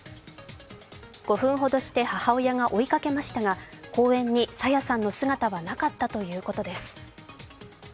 ５分ほどして母親が追いかけましたが公園に朝芽さんの姿はなかったということです。